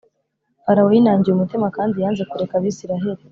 Farawo yinangiye umutima kandi yanze kureka abisiraheli